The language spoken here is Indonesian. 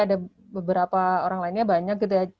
ada beberapa orang lainnya banyak gitu ya